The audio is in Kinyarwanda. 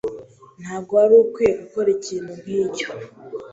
Ntabwo wari ukwiye gukora ikintu nkicyo.